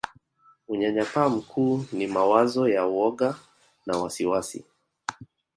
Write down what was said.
Unyanyapaa mkuu ni mawazo ya woga na wasiwasi